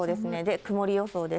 曇り予想です。